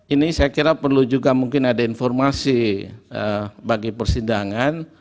ini saya kira perlu juga mungkin ada informasi bagi persidangan